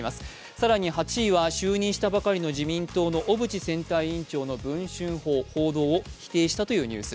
更に８位は就任したばかりの小渕氏の文春砲、報道を否定したというニュース。